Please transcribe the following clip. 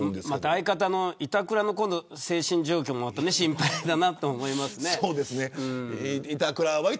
相方の板倉の精神状況もまた心配だなと思います。